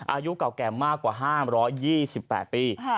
อายุเก่าแก่มากกว่า๕๒๘ปี